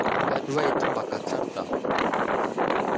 Aɗuwa i təmbak atsar daw.